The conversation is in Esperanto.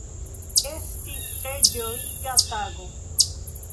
Estis tre ĝojiga tago.